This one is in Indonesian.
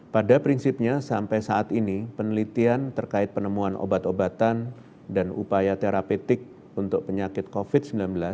pada prinsipnya sampai saat ini penelitian terkait penemuan obat obatan dan upaya terapetik untuk penyakit covid sembilan belas